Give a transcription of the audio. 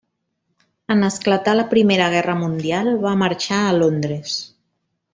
En esclatar la Primera Guerra Mundial va marxar a Londres.